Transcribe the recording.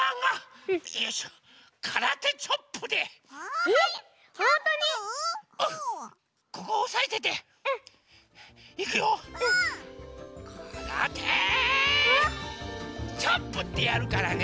「からてチョップ！」ってやるからね。